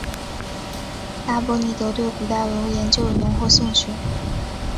那波尼德对古代文物研究有浓厚兴趣。